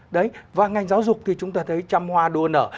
đấy và ngành giáo dục thì chúng ta thấy trăm hoa đua nở